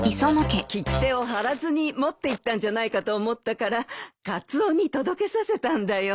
切手を貼らずに持っていったんじゃないかと思ったからカツオに届けさせたんだよ。